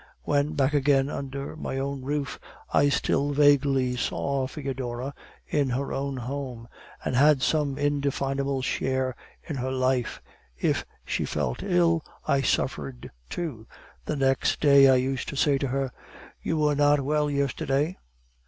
When back again under my own roof, I still vaguely saw Foedora in her own home, and had some indefinable share in her life; if she felt ill, I suffered too. The next day I used to say to her: "'You were not well yesterday.